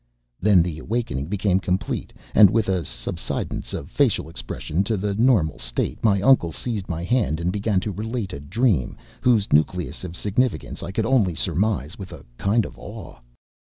Then the awakening became complete, and with a subsidence of facial expression to the normal state my uncle seized my hand and began to relate a dream whose nucleus of significance I could only surmise with a kind of awe.